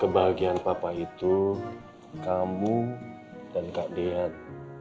kebahagiaan papa itu kamu dan kadean